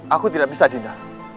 aku tidak bisa dinda